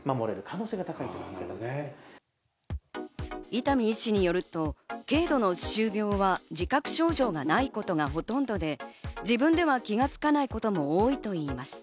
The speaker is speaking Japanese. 伊丹医師によると、軽度の歯周病は自覚症状がないことがほとんどで、自分では気がつかないことも多いといいます。